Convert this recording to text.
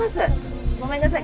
ごめんなさい。